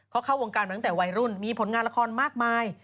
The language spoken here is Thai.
เขาเข้าวงการมาตั้งแต่วัยรุ่นมีผลงานละครมากมาย